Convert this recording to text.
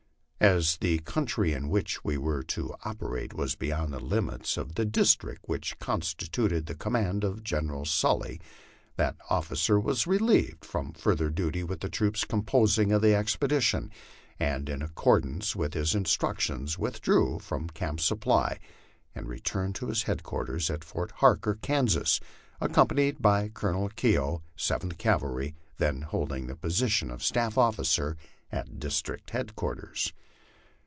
As the country in which we were to operate was beyond the limits of the district which constituted the command of General Sulty, that officer was relieved from further duty with the troops composing the expedition, and in accordance with his instructions withdrew from Camp Supply and returned to his headquarters at Fort Harker, Kansas, accompanied by Colonel Keogh, Seventh Cavalry, then holding the position of staff officer at district headquarters.